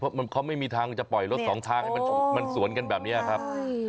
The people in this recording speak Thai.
เพราะเขาไม่มีทางจะปล่อยรถสองทางให้มันสวนกันแบบนี้ครับ